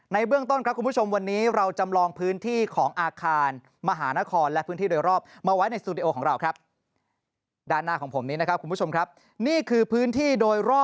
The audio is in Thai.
ในเบื้องต้นครับคุณผู้ชมวันนี้เราจำลองพื้นที่ของอาคาร